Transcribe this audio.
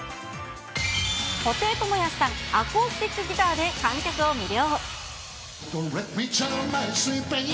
布袋寅泰さん、アコースティックギターで観客を魅了。